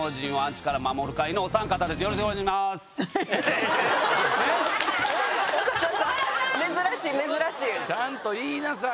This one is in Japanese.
ちゃんと言いなさい。